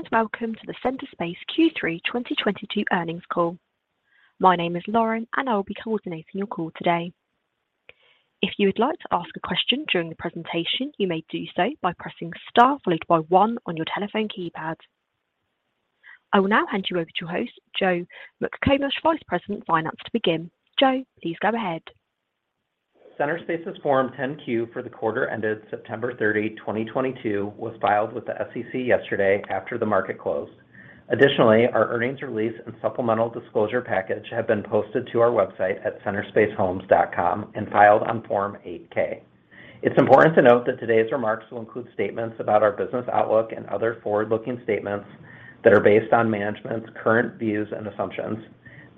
Good day and welcome to the Centerspace Q3 2022 earnings call. My name is Lauren, and I will be coordinating your call today. If you would like to ask a question during the presentation, you may do so by pressing star followed by one on your telephone keypad. I will now hand you over to your host, Joe McComish, Vice President of Finance, to begin. Joe, please go ahead. Centerspace's Form 10-Q for the quarter ended September 30, 2022 was filed with the SEC yesterday after the market closed. Additionally, our earnings release and supplemental disclosure package have been posted to our website at centerspacehomes.com and filed on Form 8-K. It's important to note that today's remarks will include statements about our business outlook and other forward-looking statements that are based on management's current views and assumptions.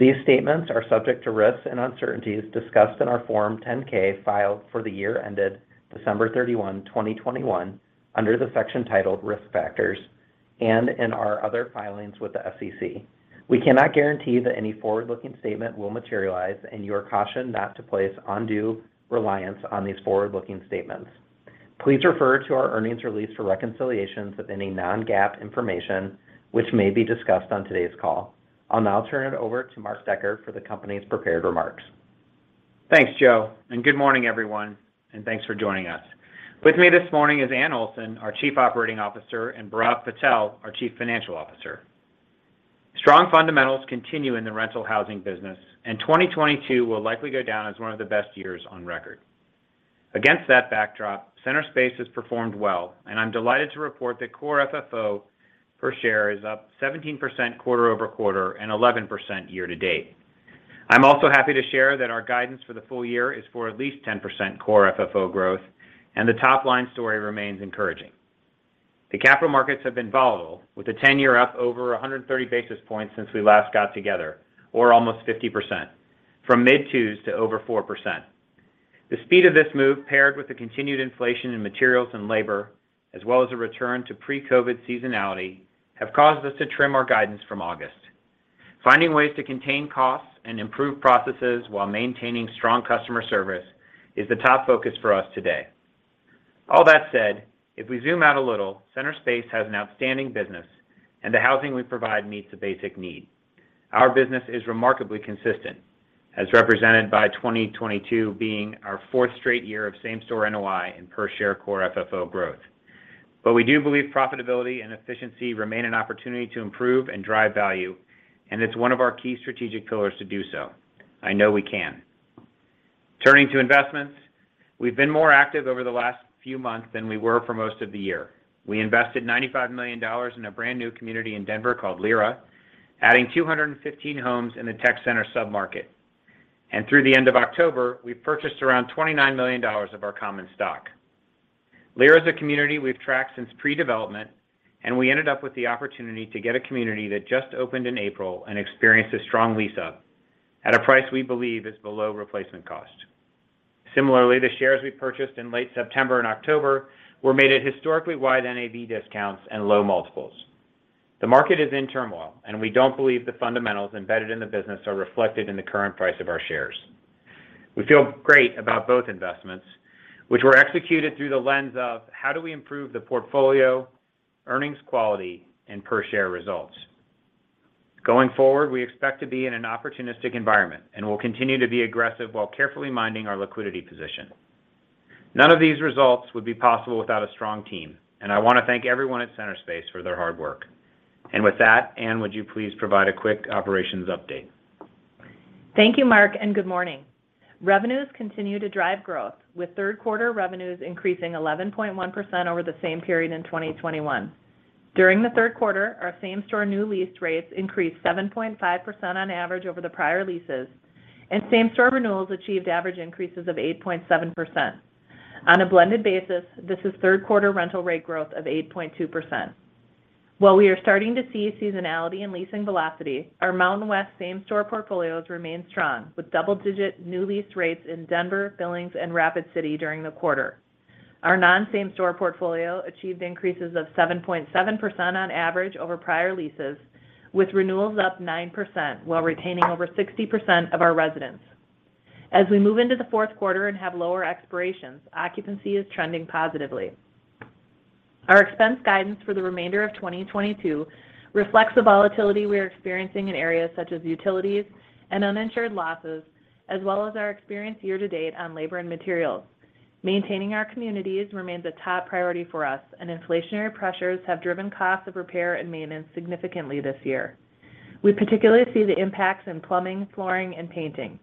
These statements are subject to risks and uncertainties discussed in our Form 10-K filed for the year ended December 31, 2021 under the section titled Risk Factors and in our other filings with the SEC. We cannot guarantee that any forward-looking statement will materialize, and you are cautioned not to place undue reliance on these forward-looking statements. Please refer to our earnings release for reconciliations of any non-GAAP information which may be discussed on today's call. I'll now turn it over to Mark Decker for the company's prepared remarks. Thanks, Joe, and good morning, everyone, and thanks for joining us. With me this morning is Anne Olson, our Chief Operating Officer, and Bhairav Patel, our Chief Financial Officer. Strong fundamentals continue in the rental housing business, and 2022 will likely go down as one of the best years on record. Against that backdrop, Centerspace has performed well, and I'm delighted to report that Core FFO per share is up 17% quarter-over-quarter and 11% year-to-date. I'm also happy to share that our guidance for the full year is for at least 10% Core FFO growth, and the top-line story remains encouraging. The capital markets have been volatile, with the ten-year up over 130 basis points since we last got together, or almost 50%, from mid-2s to over 4%. The speed of this move, paired with the continued inflation in materials and labor, as well as a return to pre-COVID seasonality, have caused us to trim our guidance from August. Finding ways to contain costs and improve processes while maintaining strong customer service is the top focus for us today. All that said, if we zoom out a little, Centerspace has an outstanding business, and the housing we provide meets a basic need. Our business is remarkably consistent, as represented by 2022 being our fourth straight year of same-store NOI and per-share Core FFO growth. We do believe profitability and efficiency remain an opportunity to improve and drive value, and it's one of our key strategic pillars to do so. I know we can. Turning to investments, we've been more active over the last few months than we were for most of the year. We invested $95 million in a brand-new community in Denver called Lyra, adding 215 homes in the Denver Tech Center submarket. Through the end of October, we've purchased around $29 million of our common stock. Lyra is a community we've tracked since pre-development, and we ended up with the opportunity to get a community that just opened in April and experienced a strong lease up at a price we believe is below replacement cost. Similarly, the shares we purchased in late September and October were made at historically wide NAV discounts and low multiples. The market is in turmoil, and we don't believe the fundamentals embedded in the business are reflected in the current price of our shares. We feel great about both investments, which were executed through the lens of how do we improve the portfolio, earnings quality, and per-share results. Going forward, we expect to be in an opportunistic environment and will continue to be aggressive while carefully minding our liquidity position. None of these results would be possible without a strong team, and I want to thank everyone at Centerspace for their hard work. With that, Anne, would you please provide a quick operations update? Thank you, Mark, and good morning. Revenues continue to drive growth, with third quarter revenues increasing 11.1% over the same period in 2021. During the third quarter, our same-store new lease rates increased 7.5% on average over the prior leases, and same-store renewals achieved average increases of 8.7%. On a blended basis, this is third quarter rental rate growth of 8.2%. While we are starting to see seasonality in leasing velocity, our Mountain West same-store portfolios remain strong, with double-digit new lease rates in Denver, Billings, and Rapid City during the quarter. Our non-same-store portfolio achieved increases of 7.7% on average over prior leases, with renewals up 9% while retaining over 60% of our residents. As we move into the fourth quarter and have lower expirations, occupancy is trending positively. Our expense guidance for the remainder of 2022 reflects the volatility we are experiencing in areas such as utilities and uninsured losses, as well as our experience year to date on labor and materials. Maintaining our communities remains a top priority for us, and inflationary pressures have driven costs of repair and maintenance significantly this year. We particularly see the impacts in plumbing, flooring, and painting.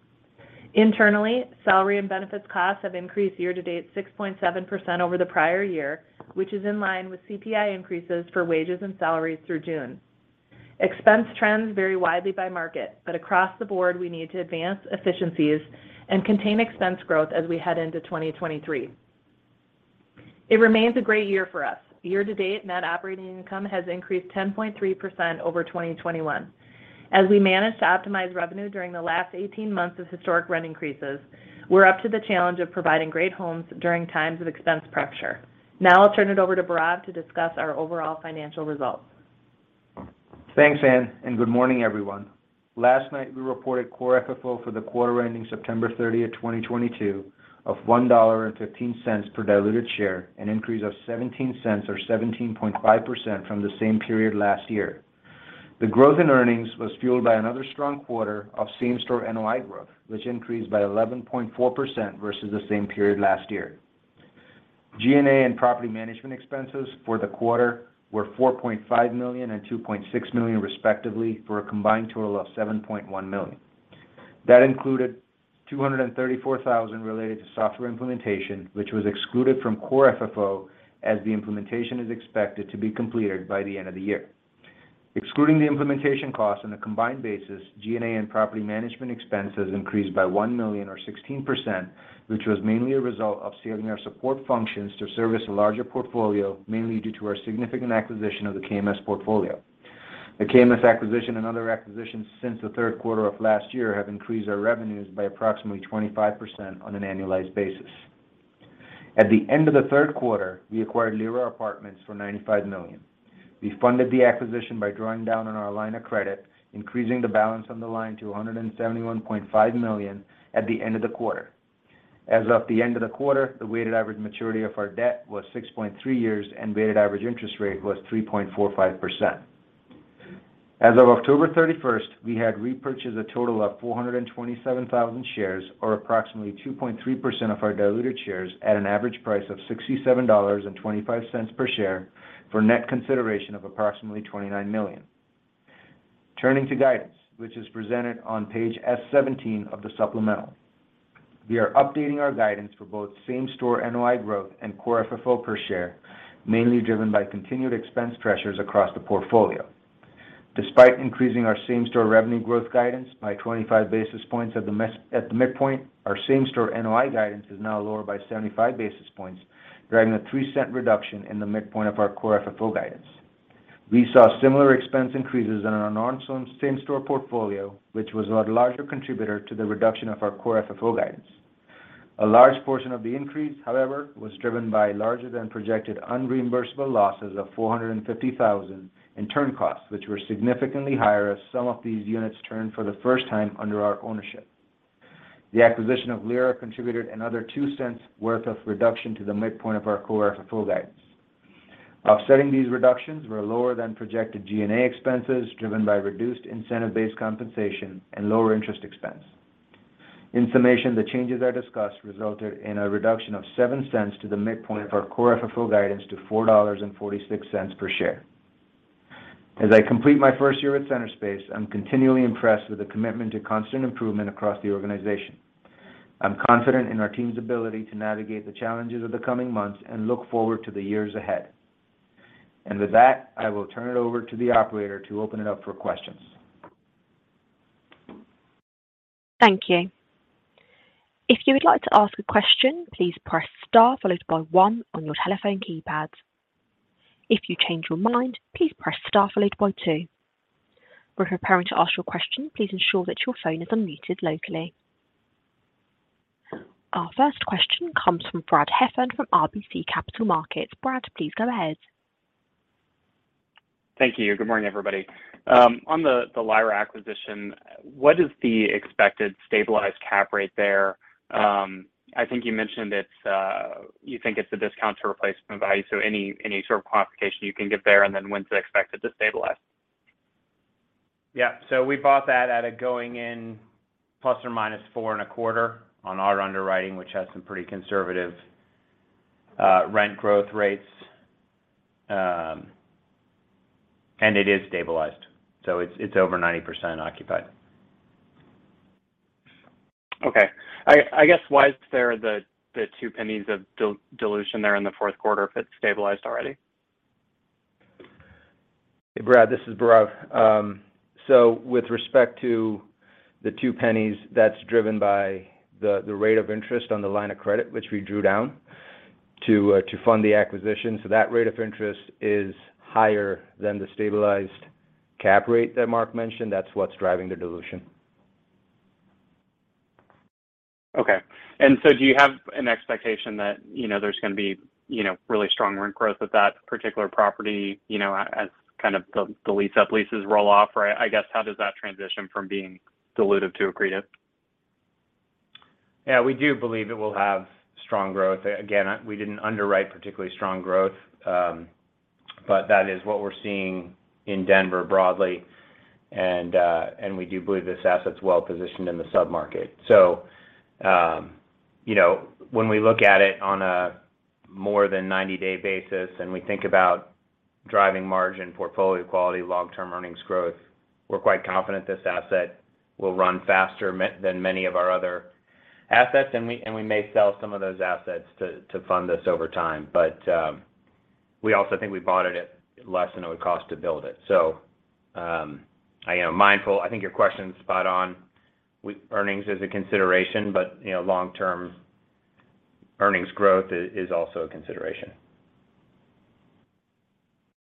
Internally, salary and benefits costs have increased year to date 6.7% over the prior year, which is in line with CPI increases for wages and salaries through June. Expense trends vary widely by market, but across the board we need to advance efficiencies and contain expense growth as we head into 2023. It remains a great year for us. Year to date, net operating income has increased 10.3% over 2021. As we manage to optimize revenue during the last 18 months of historic rent increases, we're up to the challenge of providing great homes during times of expense pressure. Now I'll turn it over to Bhairav to discuss our overall financial results. Thanks, Anne, and good morning, everyone. Last night we reported core FFO for the quarter ending September 30, 2022 of $1.15 per diluted share, an increase of $0.17 or 17.5% from the same period last year. The growth in earnings was fueled by another strong quarter of same-store NOI growth, which increased by 11.4% versus the same period last year. G&A and property management expenses for the quarter were $4.5 million and $2.6 million, respectively, for a combined total of $7.1 million. That included $234,000 related to software implementation, which was excluded from core FFO as the implementation is expected to be completed by the end of the year. Excluding the implementation costs on a combined basis, G&A and property management expenses increased by $1 million or 16%, which was mainly a result of scaling our support functions to service a larger portfolio, mainly due to our significant acquisition of the KMS portfolio. The KMS acquisition and other acquisitions since the third quarter of last year have increased our revenues by approximately 25% on an annualized basis. At the end of the third quarter, we acquired Lyra Apartments for $95 million. We funded the acquisition by drawing down on our line of credit, increasing the balance on the line to $171.5 million at the end of the quarter. As of the end of the quarter, the weighted average maturity of our debt was 6.3 years, and weighted average interest rate was 3.45%. As of October 31, we had repurchased a total of 427,000 shares or approximately 2.3% of our diluted shares at an average price of $67.25 per share for net consideration of approximately $29 million. Turning to guidance, which is presented on page S17 of the supplemental. We are updating our guidance for both same-store NOI growth and Core FFO per share, mainly driven by continued expense pressures across the portfolio. Despite increasing our same-store revenue growth guidance by 25 basis points at the midpoint, our same-store NOI guidance is now lower by 75 basis points, driving a $0.03 reduction in the midpoint of our Core FFO guidance. We saw similar expense increases in our non-same-store portfolio, which was our larger contributor to the reduction of our Core FFO guidance. A large portion of the increase, however, was driven by larger than projected unreimbursable losses of $450,000 in turn costs, which were significantly higher as some of these units turned for the first time under our ownership. The acquisition of Lyra contributed another $0.02 worth of reduction to the midpoint of our core FFO guidance. Offsetting these reductions were lower than projected G&A expenses, driven by reduced incentive-based compensation and lower interest expense. In summation, the changes I discussed resulted in a reduction of $0.07 to the midpoint of our core FFO guidance to $4.46 per share. As I complete my first year at Centerspace, I'm continually impressed with the commitment to constant improvement across the organization. I'm confident in our team's ability to navigate the challenges of the coming months and look forward to the years ahead. With that, I will turn it over to the operator to open it up for questions. Thank you. If you would like to ask a question, please press star followed by one on your telephone keypads. If you change your mind, please press star followed by two. When preparing to ask your question, please ensure that your phone is unmuted locally. Our first question comes from Bradley Heffern from RBC Capital Markets. Brad, please go ahead. Thank you. Good morning, everybody. On the Lyra acquisition, what is the expected stabilized cap rate there? I think you mentioned it's a discount to replacement value, so any sort of quantification you can give there, and then when's it expected to stabilize? We bought that at a going in ±4.25 on our underwriting, which has some pretty conservative rent growth rates. It is stabilized. It's over 90% occupied. Okay. I guess why is there the $0.02 of dilution there in the fourth quarter if it's stabilized already? Hey, Brad, this is Bhairav. With respect to the two pennies, that's driven by the rate of interest on the line of credit, which we drew down to fund the acquisition. That rate of interest is higher than the stabilized cap rate that Mark mentioned. That's what's driving the dilution. Okay. Do you have an expectation that, you know, there's gonna be, you know, really strong rent growth at that particular property, you know, as kind of the lease-up leases roll-off? Or I guess, how does that transition from being dilutive to accretive? Yeah, we do believe it will have strong growth. Again, we didn't underwrite particularly strong growth, but that is what we're seeing in Denver broadly. We do believe this asset's well positioned in the sub-market. You know, when we look at it on a more than 90-day basis and we think about driving margin, portfolio quality, long-term earnings growth, we're quite confident this asset will run faster than many of our other assets. We may sell some of those assets to fund this over time. We also think we bought it at less than it would cost to build it. I am mindful. I think your question is spot on with earnings as a consideration, but you know, long-term earnings growth is also a consideration.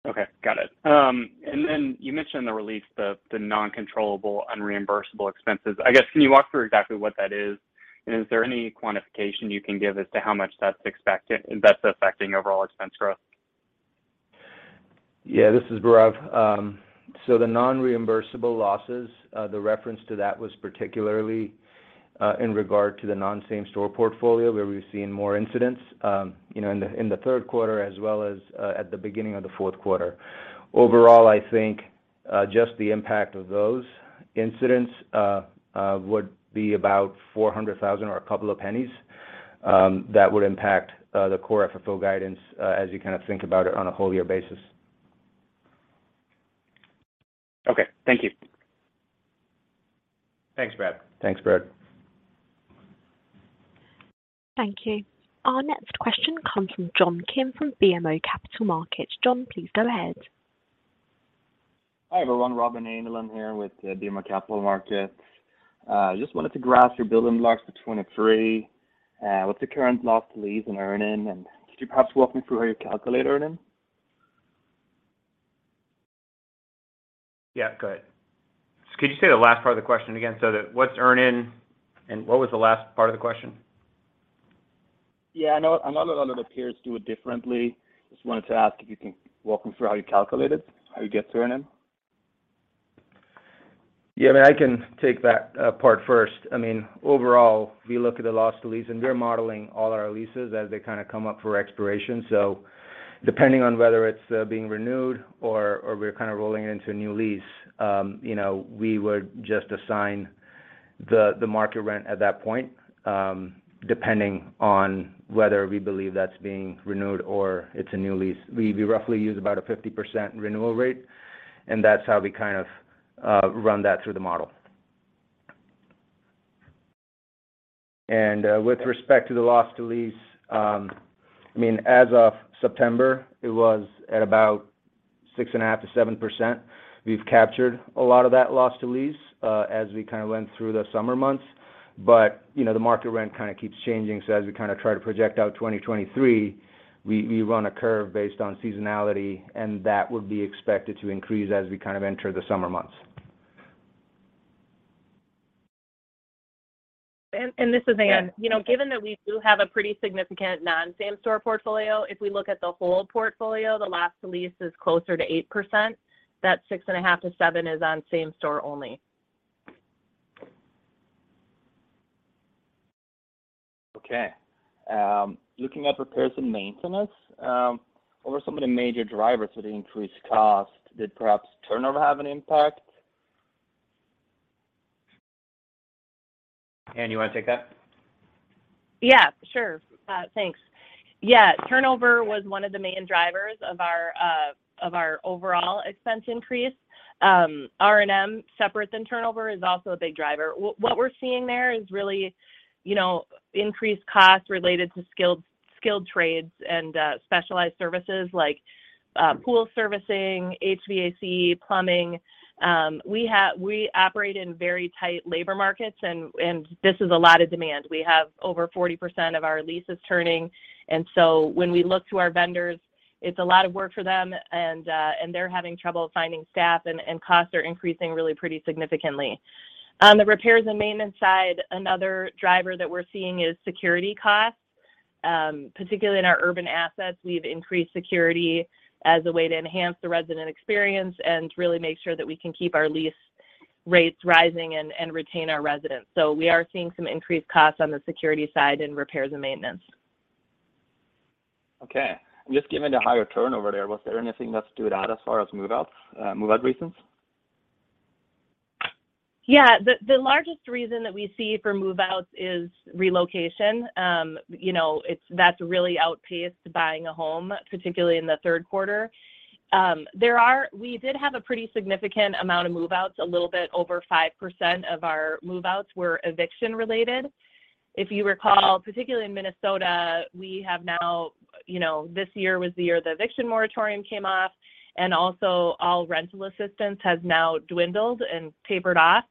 Okay. Got it. You mentioned the non-controllable, unreimbursable expenses. I guess, can you walk through exactly what that is? Is there any quantification you can give as to how much that's affecting overall expense growth? Yeah, this is Bhairav. So the non-reimbursable losses, the reference to that was particularly in regard to the non-same-store portfolio where we've seen more incidents, you know, in the third quarter as well as at the beginning of the fourth quarter. Overall, I think just the impact of those incidents would be about $400,000 or a couple of pennies that would impact the Core FFO guidance as you kind of think about it on a whole year basis. Okay. Thank you. Thanks, Brad. Thanks, Brad. Thank you. Our next question comes from John Kim from BMO Capital Markets. John, please go ahead. Hi, everyone. Robin Handel here with BMO Capital Markets. Just wanted to recap your building blocks for 2023. What's the current loss to lease and earn-in, and could you perhaps walk me through how you calculate earn-in? Yeah, go ahead. Could you say the last part of the question again so that what's earn-in and what was the last part of the question? Yeah. I know, I know that other peers do it differently. Just wanted to ask if you can walk me through how you calculate it, how you get to earn-in? Yeah, I mean, I can take that part first. I mean, overall, we look at the loss to lease, and we're modeling all our leases as they kind of come up for expiration. Depending on whether it's being renewed or we're kind of rolling into a new lease, you know, we would just assign the market rent at that point, depending on whether we believe that's being renewed or it's a new lease. We roughly use about a 50% renewal rate, and that's how we kind of run that through the model. With respect to the loss to lease, I mean, as of September, it was at about 6.5%-7%. We've captured a lot of that loss to lease, as we kind of went through the summer months. You know, the market rent kind of keeps changing, so as we kind of try to project out 2023, we run a curve based on seasonality, and that would be expected to increase as we kind of enter the summer months. This is Anne. You know, given that we do have a pretty significant non-same-store portfolio, if we look at the whole portfolio, the loss to lease is closer to 8%. That 6.5%-7% is on same-store only. Okay. Looking at repairs and maintenance, what were some of the major drivers for the increased cost? Did perhaps turnover have an impact? Anne, you wanna take that? Yeah, sure. Thanks. Yeah, turnover was one of the main drivers of our overall expense increase. R&M separate than turnover is also a big driver. What we're seeing there is really, you know, increased costs related to skilled trades and specialized services like pool servicing, HVAC, plumbing. We operate in very tight labor markets and this is a lot of demand. We have over 40% of our leases turning. When we look to our vendors, it's a lot of work for them and they're having trouble finding staff and costs are increasing really pretty significantly. On the repairs and maintenance side, another driver that we're seeing is security costs. Particularly in our urban assets, we've increased security as a way to enhance the resident experience and really make sure that we can keep our lease rates rising and retain our residents. We are seeing some increased costs on the security side and repairs and maintenance. Okay. Just given the higher turnover there, was there anything that stood out as far as move-outs, move-out reasons? Yeah. The largest reason that we see for move-outs is relocation. You know, that's really outpaced buying a home, particularly in the third quarter. We did have a pretty significant amount of move-outs. A little bit over 5% of our move-outs were eviction related. If you recall, particularly in Minnesota, we have now, you know, this year was the year the eviction moratorium came off, and also all rental assistance has now dwindled and tapered off.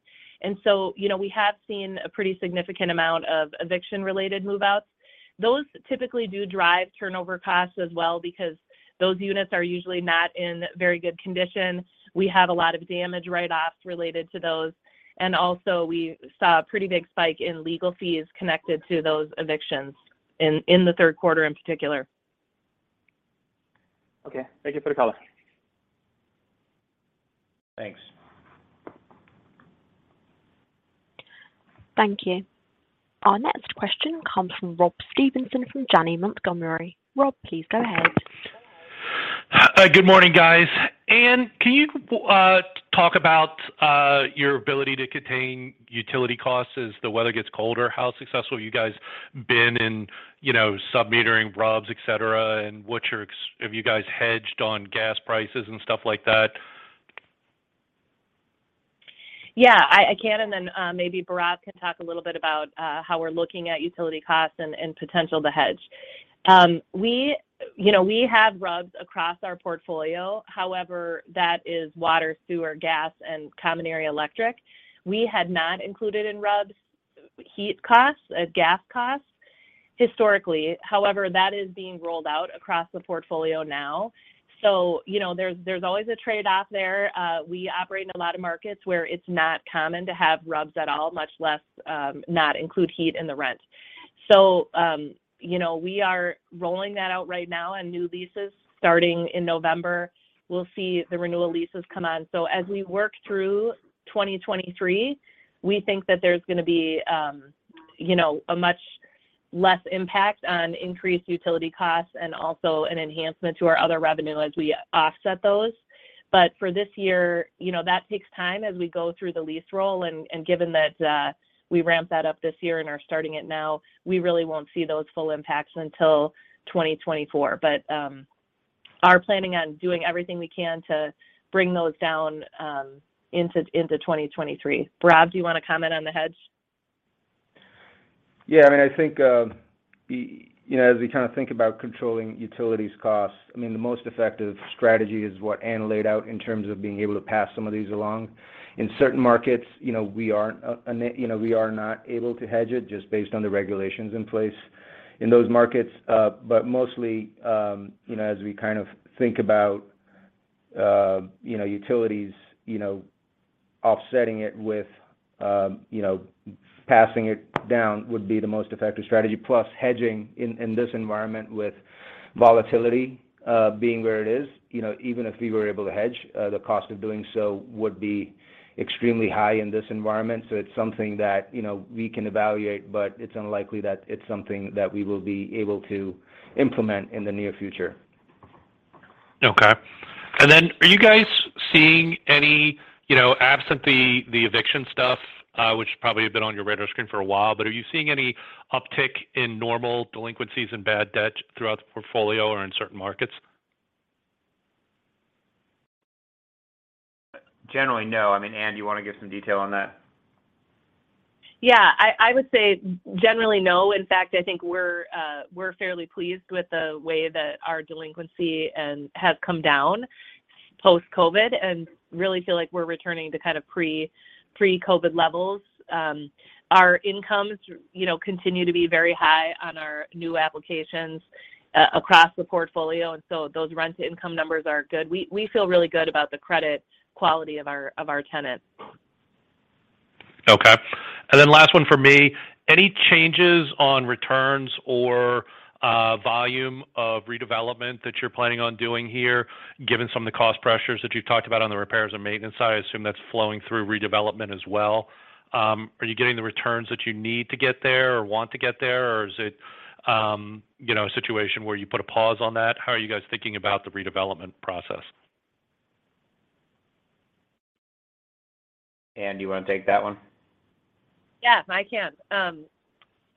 You know, we have seen a pretty significant amount of eviction-related move-outs. Those typically do drive turnover costs as well because those units are usually not in very good condition. We have a lot of damage write-offs related to those. Also, we saw a pretty big spike in legal fees connected to those evictions in the third quarter in particular. Okay. Thank you for the color. Thanks. Thank you. Our next question comes from Rob Stevenson from Janney Montgomery Scott. Rob, please go ahead. Hi. Good morning, guys. Anne, can you talk about your ability to contain utility costs as the weather gets colder? How successful have you guys been in, you know, submetering RUBS, et cetera? Have you guys hedged on gas prices and stuff like that? Yeah. I can and then, maybe Bhairav can talk a little bit about, how we're looking at utility costs and potential to hedge. You know, we have RUBS across our portfolio. However, that is water, sewer, gas, and common area electric. We had not included in RUBS heat costs, gas costs. Historically. However, that is being rolled out across the portfolio now. You know, there's always a trade-off there. We operate in a lot of markets where it's not common to have RUBS at all, much less, not include heat in the rent. You know, we are rolling that out right now on new leases starting in November. We'll see the renewal leases come on. As we work through 2023, we think that there's gonna be you know a much less impact on increased utility costs and also an enhancement to our other revenue as we offset those. But for this year, you know, that takes time as we go through the lease roll, and given that we ramped that up this year and are starting it now, we really won't see those full impacts until 2024. But we are planning on doing everything we can to bring those down into 2023. Rob, do you wanna comment on the hedge? Yeah. I mean, I think, you know, as we kind of think about controlling utilities costs, I mean, the most effective strategy is what Anne laid out in terms of being able to pass some of these along. In certain markets, you know, we are not able to hedge it just based on the regulations in place in those markets. Mostly, you know, as we kind of think about, you know, utilities, you know, offsetting it with, you know, passing it down would be the most effective strategy. Hedging in this environment with volatility being where it is, you know, even if we were able to hedge, the cost of doing so would be extremely high in this environment, so it's something that, you know, we can evaluate, but it's unlikely that it's something that we will be able to implement in the near future. Okay. Then are you guys seeing any, you know, absent the eviction stuff, which probably have been on your radar screen for a while, but are you seeing any uptick in normal delinquencies and bad debt throughout the portfolio or in certain markets? Generally, no. I mean, Anne, do you wanna give some detail on that? Yeah. I would say generally no. In fact, I think we're fairly pleased with the way that our delinquency has come down post-COVID, and really feel like we're returning to kind of pre-COVID levels. Our incomes, you know, continue to be very high on our new applications across the portfolio, and so those rent to income numbers are good. We feel really good about the credit quality of our tenants. Okay. Last one from me, any changes on returns or, volume of redevelopment that you're planning on doing here, given some of the cost pressures that you've talked about on the repairs and maintenance? I assume that's flowing through redevelopment as well. Are you getting the returns that you need to get there or want to get there, or is it, you know, a situation where you put a pause on that? How are you guys thinking about the redevelopment process? Anne, do you wanna take that one? Yes, I can.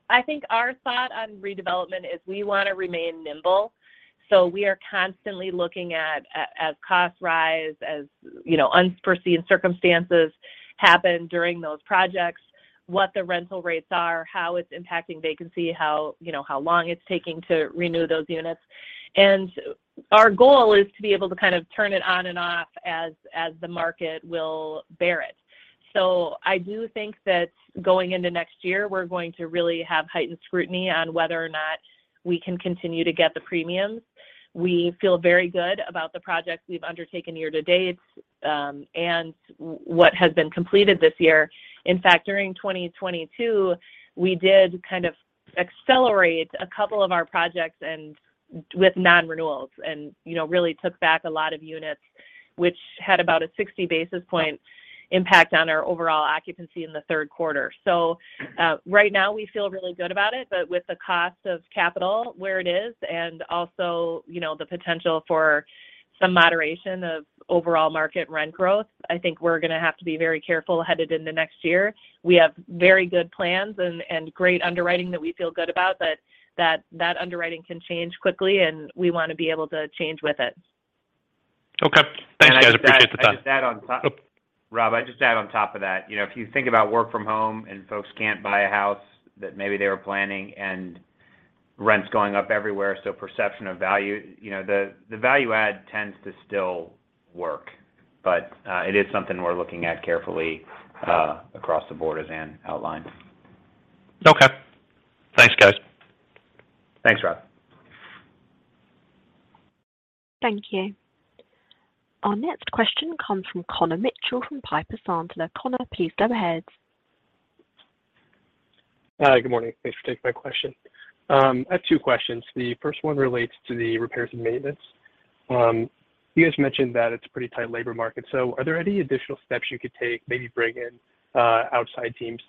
I think our thought on redevelopment is we wanna remain nimble, so we are constantly looking at as costs rise, as, you know, unforeseen circumstances happen during those projects, what the rental rates are, how it's impacting vacancy, how, you know, how long it's taking to renew those units. Our goal is to be able to kind of turn it on and off as the market will bear it. I do think that going into next year, we're going to really have heightened scrutiny on whether or not we can continue to get the premiums. We feel very good about the projects we've undertaken year to date, and what has been completed this year. In fact, during 2022, we did kind of accelerate a couple of our projects and with non-renewals and, you know, really took back a lot of units, which had about a 60 basis points impact on our overall occupancy in the third quarter. Right now we feel really good about it, but with the cost of capital where it is and also, you know, the potential for some moderation of overall market rent growth, I think we're gonna have to be very careful headed into next year. We have very good plans and great underwriting that we feel good about, but that underwriting can change quickly, and we wanna be able to change with it. Okay. Thanks, guys. Appreciate the time. I'd just add on top. Oh. Rob, I'd just add on top of that, you know, if you think about work from home and folks can't buy a house that maybe they were planning and rent's going up everywhere, so perception of value, you know, the value add tends to still work. But, it is something we're looking at carefully across the board as Anne outlined. Okay. Thanks, guys. Thanks, Rob. Thank you. Our next question comes from Connor Mitchell from Piper Sandler. Connor, please go ahead. Good morning. Thanks for taking my question. I have two questions. The first one relates to the repairs and maintenance. You guys mentioned that it's pretty tight labor market, so are there any additional steps you could take, maybe bring in, outside teams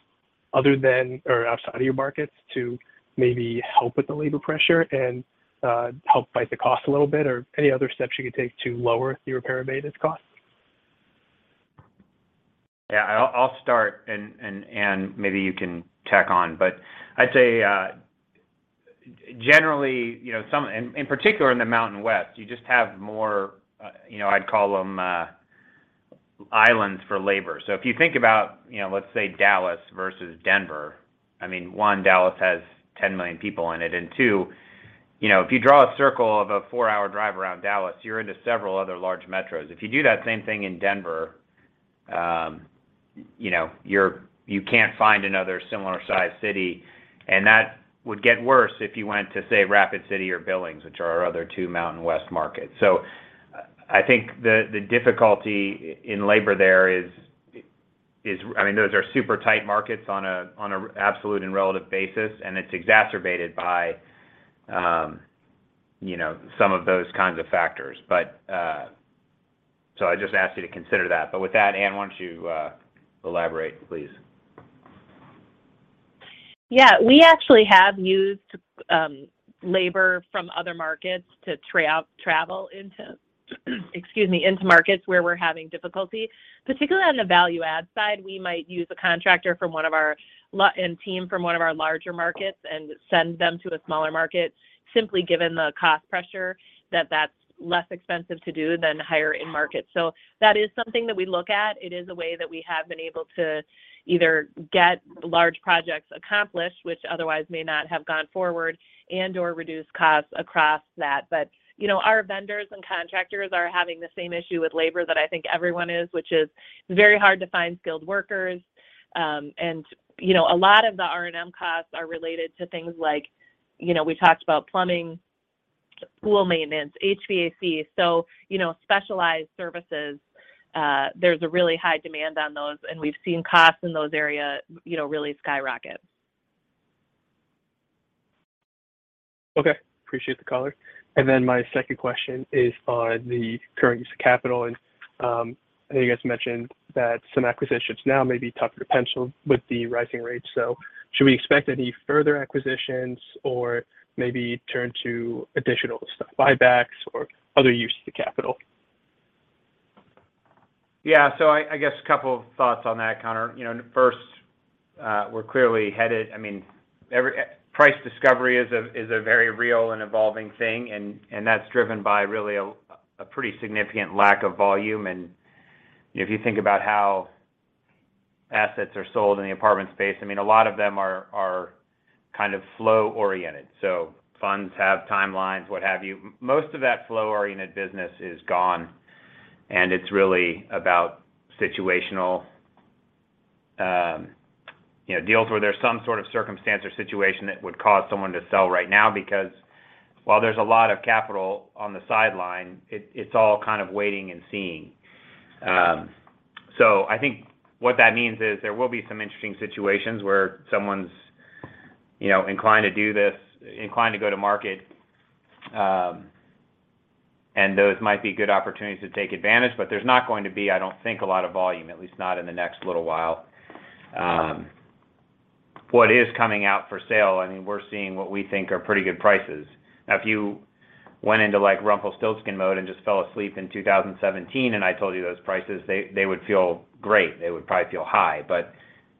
other than or outside of your markets to maybe help with the labor pressure and, help fight the cost a little bit, or any other steps you could take to lower the repair and maintenance costs? Yeah. I'll start and Anne, maybe you can tack on. I'd say generally, you know, and in particular in the Mountain West, you just have more, you know, I'd call them, islands for labor. So if you think about, you know, let's say Dallas versus Denver, I mean, one, Dallas has 10 million people in it, and two, you know, if you draw a circle of a 4-hour drive around Dallas, you're into several other large metros. If you do that same thing in Denver You know, you can't find another similar sized city, and that would get worse if you went to, say, Rapid City or Billings, which are our other two Mountain West markets. I think the difficulty in labor there is. I mean, those are super tight markets on a absolute and relative basis, and it's exacerbated by, you know, some of those kinds of factors. I'd just ask you to consider that. With that, Anne, why don't you elaborate, please? Yeah. We actually have used labor from other markets to travel into, excuse me, into markets where we're having difficulty. Particularly on the value add side, we might use a contractor from one of our larger markets and team from one of our larger markets and send them to a smaller market simply given the cost pressure that that's less expensive to do than hire in market. That is something that we look at. It is a way that we have been able to either get large projects accomplished, which otherwise may not have gone forward, and/or reduce costs across that. You know, our vendors and contractors are having the same issue with labor that I think everyone is, which is very hard to find skilled workers. You know, a lot of the R&M costs are related to things like, you know, we talked about plumbing, pool maintenance, HVAC. You know, specialized services, there's a really high demand on those, and we've seen costs in those areas, you know, really skyrocket. Okay. Appreciate the color. My second question is on the current use of capital. I know you guys mentioned that some acquisitions now may be tougher to pencil with the rising rates. Should we expect any further acquisitions or maybe turn to additional stuff, buybacks or other use of the capital? Yeah. I guess a couple of thoughts on that, Connor. You know, first, we're clearly headed. I mean, every. Price discovery is a very real and evolving thing, and that's driven by really a pretty significant lack of volume. You know, if you think about how assets are sold in the apartment space, I mean, a lot of them are kind of flow-oriented. Funds have timelines, what have you. Most of that flow-oriented business is gone, and it's really about situational, you know, deals where there's some sort of circumstance or situation that would cause someone to sell right now. Because while there's a lot of capital on the sideline, it's all kind of waiting and seeing. I think what that means is there will be some interesting situations where someone's, you know, inclined to do this, inclined to go to market, and those might be good opportunities to take advantage. There's not going to be, I don't think, a lot of volume, at least not in the next little while. What is coming out for sale, I mean, we're seeing what we think are pretty good prices. Now, if you went into, like, Rumpelstiltskin mode and just fell asleep in 2017 and I told you those prices, they would feel great. They would probably feel high.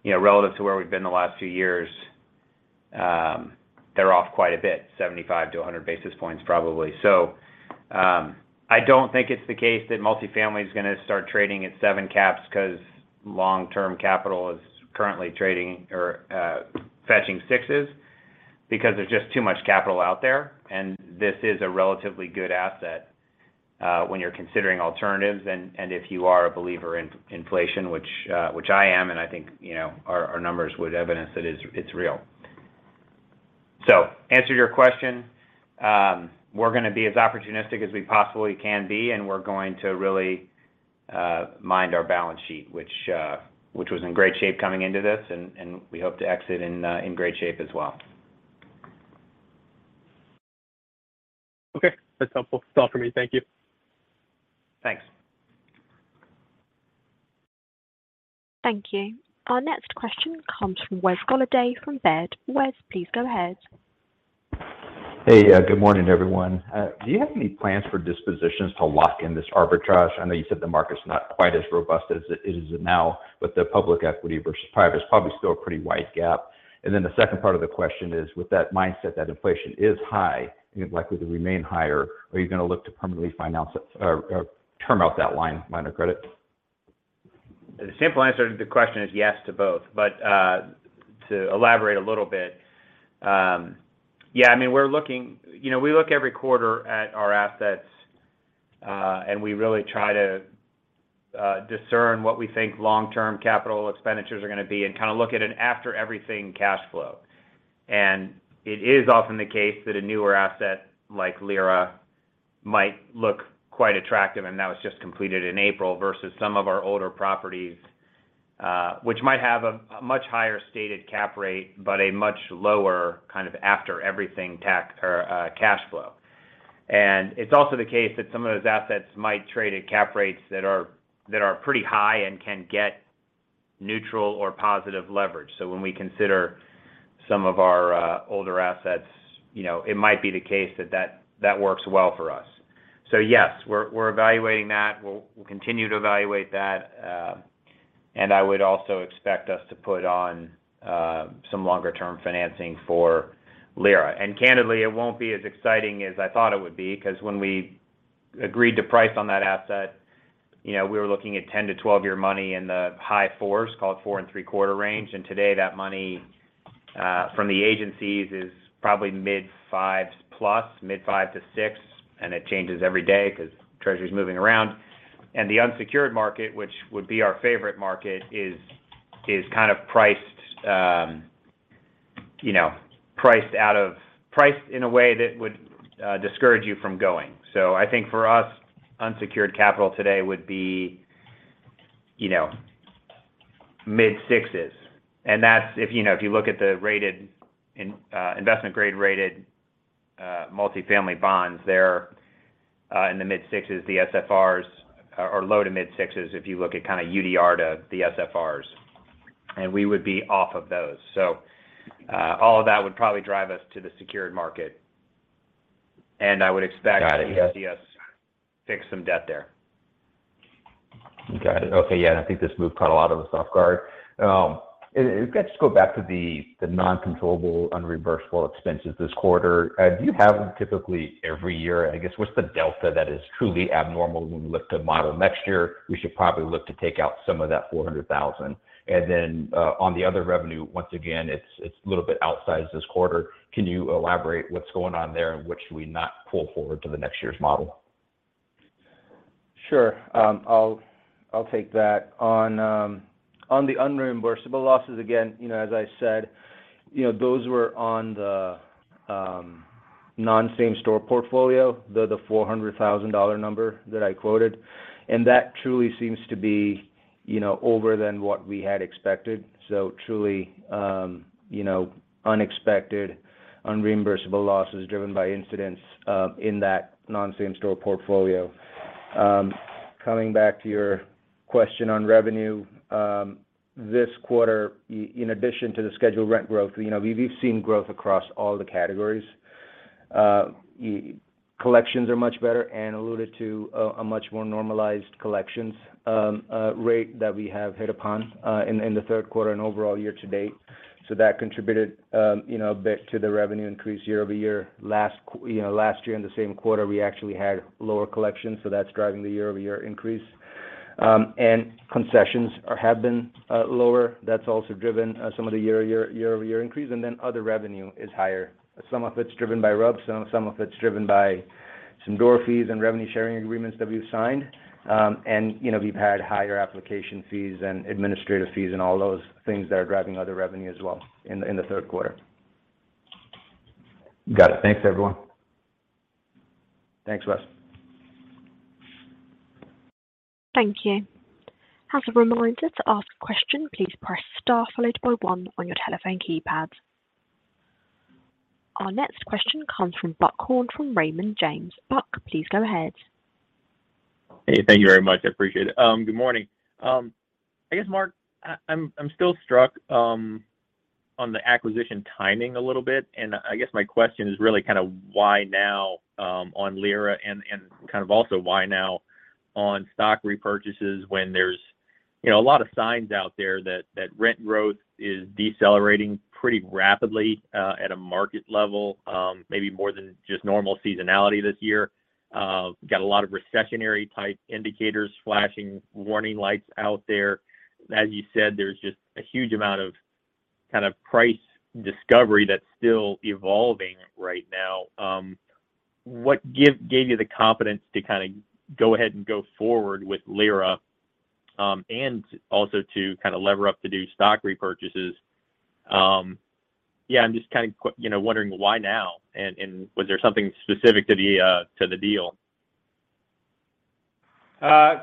You know, relative to where we've been the last few years, they're off quite a bit, 75-100 basis points probably. I don't think it's the case that multifamily is gonna start trading at 7 caps 'cause long-term capital is currently trading or fetching 6s, because there's just too much capital out there, and this is a relatively good asset when you're considering alternatives and if you are a believer in inflation, which I am, and I think you know our numbers would evidence that it's real. To answer your question, we're gonna be as opportunistic as we possibly can be, and we're going to really mind our balance sheet, which was in great shape coming into this, and we hope to exit in great shape as well. Okay. That's helpful. That's all for me. Thank you. Thanks. Thank you. Our next question comes from Wes Golladay from Baird. Wes, please go ahead. Hey. Good morning, everyone. Do you have any plans for dispositions to lock in this arbitrage? I know you said the market's not quite as robust as it is now, but the public equity versus private is probably still a pretty wide gap. The second part of the question is, with that mindset that inflation is high and likely to remain higher, are you gonna look to permanently finance, term out that line of credit? The simple answer to the question is yes to both. To elaborate a little bit, I mean, You know, we look every quarter at our assets, and we really try to discern what we think long-term capital expenditures are gonna be and kind of look at an after everything cash flow. It is often the case that a newer asset like Lyra might look quite attractive, and that was just completed in April, versus some of our older properties, which might have a much higher stated cap rate, but a much lower kind of after everything cash flow. It's also the case that some of those assets might trade at cap rates that are pretty high and can get neutral or positive leverage. When we consider some of our older assets, you know, it might be the case that that works well for us. Yes, we're evaluating that. We'll continue to evaluate that. I would also expect us to put on some longer-term financing for Lyra. Candidly, it won't be as exciting as I thought it would be, 'cause when we agreed to price on that asset, you know, we were looking at 10-12 year money in the high fours, call it 4.75 range. Today, that money from the agencies is probably mid fives plus, mid-5 to 6, and it changes every day because Treasury is moving around. The unsecured market, which would be our favorite market, is kind of priced in a way that would discourage you from going. I think for us, unsecured capital today would be mid-6s. That's if you look at the investment-grade rated multifamily bonds, they're in the mid-6s, the SFRs are low- to mid-6s if you look at kind of UDR to the SFRs. We would be off of those. All of that would probably drive us to the secured market. I would expect- Got it. Yes. You to see us fix some debt there. Got it. Okay. Yeah. I think this move caught a lot of us off guard. Let's go back to the non-controllable, unreimversible expenses this quarter. Do you have them typically every year? I guess, what's the delta that is truly abnormal when we look to model next year? We should probably look to take out some of that $400,000. Then, on the other revenue, once again, it's a little bit outsized this quarter. Can you elaborate what's going on there and what should we not pull forward to the next year's model? Sure. I'll take that. On the unreimbursable losses, again, you know, as I said, you know, those were on the non-same store portfolio, the $400,000 number that I quoted. That truly seems to be, you know, over than what we had expected. Truly, you know, unexpected, unreimbursable losses driven by incidents in that non-same store portfolio. Coming back to your question on revenue, this quarter, in addition to the scheduled rent growth, you know, we've seen growth across all the categories. Collections are much better and alluded to a much more normalized collections rate that we have hit upon in the third quarter and overall year to date. That contributed, you know, a bit to the revenue increase year-over-year. you know, last year in the same quarter, we actually had lower collections, so that's driving the year-over-year increase. Concessions have been lower. That's also driven some of the year-over-year increase. Other revenue is higher. Some of it's driven by RUBS, some of it's driven by some door fees and revenue sharing agreements that we've signed. you know, we've had higher application fees and administrative fees and all those things that are driving other revenue as well in the third quarter. Got it. Thanks, everyone. Thanks, Wes. Thank you. As a reminder to ask a question, please press star followed by one on your telephone keypad. Our next question comes from Buck Horne from Raymond James. Buck, please go ahead. Hey, thank you very much. I appreciate it. Good morning. I guess, Mark, I'm still struck on the acquisition timing a little bit, and I guess my question is really kind of why now on Lyra and kind of also why now on stock repurchases when there's, you know, a lot of signs out there that rent growth is decelerating pretty rapidly at a market level, maybe more than just normal seasonality this year. Got a lot of recessionary type indicators flashing warning lights out there. As you said, there's just a huge amount of kind of price discovery that's still evolving right now. What gave you the confidence to kind of go ahead and go forward with Lyra, and also to kind of lever up to do stock repurchases? Yeah, I'm just kind of you know, wondering why now and was there something specific to the deal?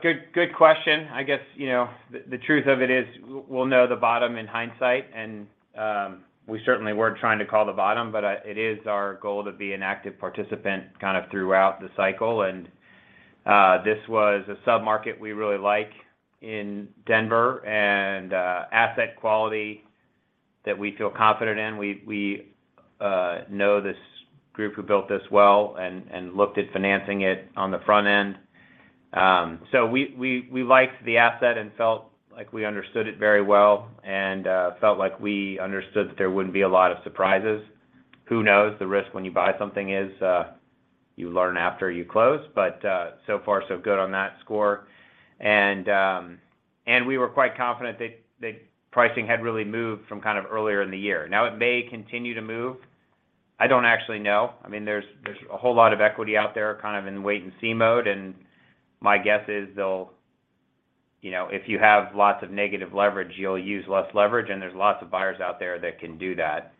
Good question. I guess, you know, the truth of it is we'll know the bottom in hindsight, and we certainly weren't trying to call the bottom, but it is our goal to be an active participant kind of throughout the cycle. This was a sub-market we really like in Denver and asset quality that we feel confident in. We know this group who built this well and looked at financing it on the front end. So we liked the asset and felt like we understood it very well and felt like we understood that there wouldn't be a lot of surprises. Who knows the risk when you buy something is you learn after you close, but so far so good on that score. We were quite confident that pricing had really moved from kind of earlier in the year. Now it may continue to move. I don't actually know. I mean, there's a whole lot of equity out there kind of in wait and see mode, and my guess is they'll. You know, if you have lots of negative leverage, you'll use less leverage, and there's lots of buyers out there that can do that.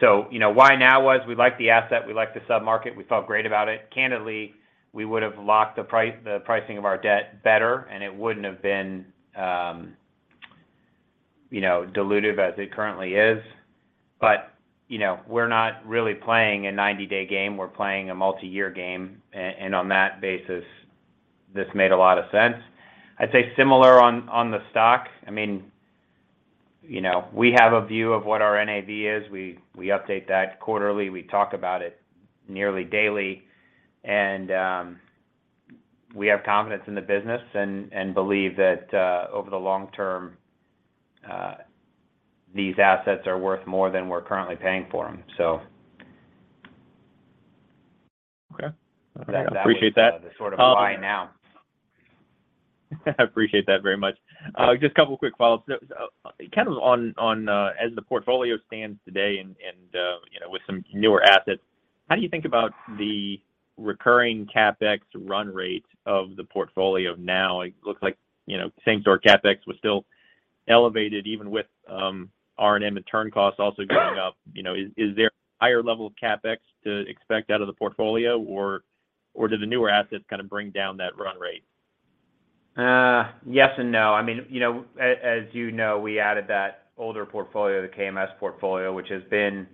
So, you know, why now was we like the asset, we like the sub-market, we felt great about it. Candidly, we would have locked the price, the pricing of our debt better, and it wouldn't have been, you know, diluted as it currently is. You know, we're not really playing a 90-day game. We're playing a multi-year game. And on that basis, this made a lot of sense. I'd say similar on the stock. I mean, you know, we have a view of what our NAV is. We update that quarterly. We talk about it nearly daily. We have confidence in the business and believe that over the long term these assets are worth more than we're currently paying for them. Okay. I appreciate that. That was the sort of why now. I appreciate that very much. Just a couple of quick follows. Kind of on as the portfolio stands today and, you know, with some newer assets, how do you think about the recurring CapEx run rate of the portfolio now? It looks like, you know, same-store CapEx was still elevated even with R&M and turn costs also going up. You know, is there a higher level of CapEx to expect out of the portfolio, or do the newer assets kinda bring down that run rate? Yes and no. I mean, you know, as you know, we added that older portfolio, the KMS portfolio. Which has been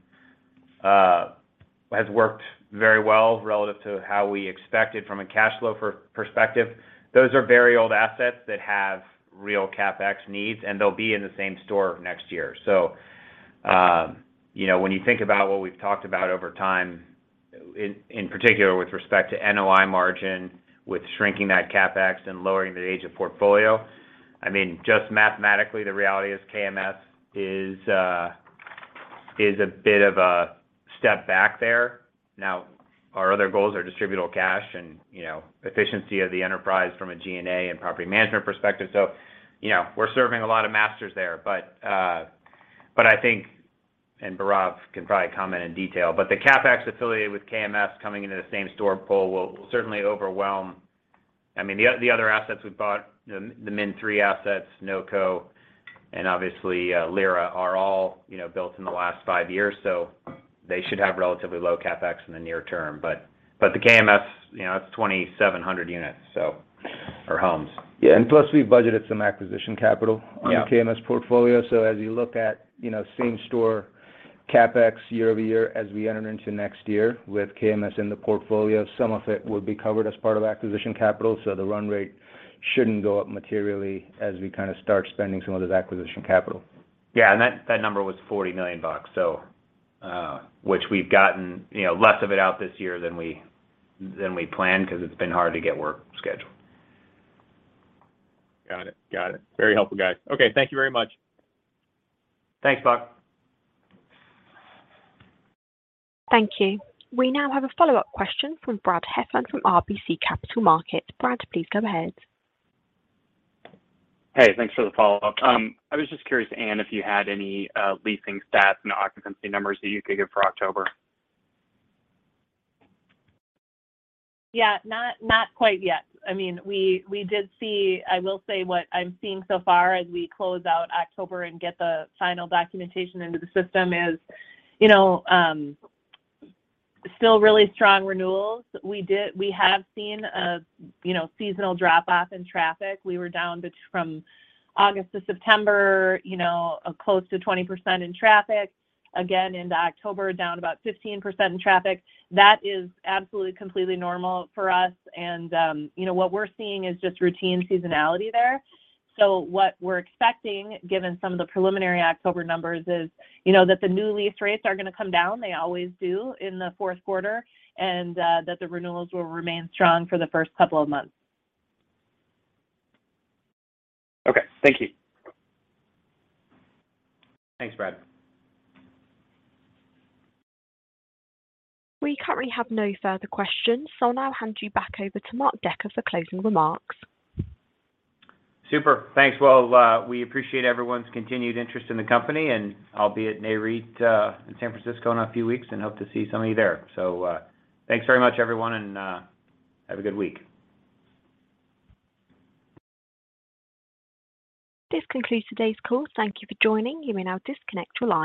has worked very well relative to how we expected from a cash flow perspective. Those are very old assets that have real CapEx needs, and they'll be in the same-store next year. You know, when you think about what we've talked about over time, in particular with respect to NOI margin, with shrinking that CapEx and lowering the age of portfolio, I mean, just mathematically, the reality is KMS is a bit of a step back there. Now, our other goals are distributable cash and, you know, efficiency of the enterprise from a G&A and property management perspective. You know, we're serving a lot of masters there. I think, and Bhairav can probably comment in detail, but the CapEx affiliated with KMS coming into the same-store pool will certainly overwhelm. I mean, the other assets we've bought, the Minneapolis Portfolio, Noko, and obviously, Lyra, are all, you know, built in the last five years, so they should have relatively low CapEx in the near term. The KMS, you know, that's 2,700 units or homes. Yeah. Plus we've budgeted some acquisition capital. Yeah on the KMS portfolio. As you look at, you know, same-store CapEx year-over-year as we enter into next year with KMS in the portfolio, some of it will be covered as part of acquisition capital, so the run rate shouldn't go up materially as we kinda start spending some of this acquisition capital. Yeah. That number was $40 million, so which we've gotten, you know, less of it out this year than we planned because it's been hard to get work scheduled. Got it. Very helpful, guys. Okay, thank you very much. Thanks, Buck. Thank you. We now have a follow-up question from Brad Heffern from RBC Capital Markets. Brad, please go ahead. Hey, thanks for the follow-up. I was just curious, Anne, if you had any leasing stats and occupancy numbers that you could give for October. Yeah. Not quite yet. I mean, we did see I will say what I'm seeing so far as we close out October and get the final documentation into the system is, you know, still really strong renewals. We have seen a, you know, seasonal drop-off in traffic. We were down from August to September, you know, close to 20% in traffic. Again into October, down about 15% in traffic. That is absolutely completely normal for us and, you know, what we're seeing is just routine seasonality there. What we're expecting, given some of the preliminary October numbers is, you know, that the new lease rates are gonna come down, they always do in the fourth quarter, and that the renewals will remain strong for the first couple of months. Okay. Thank you. Thanks, Brad. We currently have no further questions, so I'll now hand you back over to Mark Decker for closing remarks. Super. Thanks. Well, we appreciate everyone's continued interest in the company, and I'll be at Nareit in San Francisco in a few weeks and hope to see some of you there. Thanks very much everyone and have a good week. This concludes today's call. Thank you for joining. You may now disconnect your line.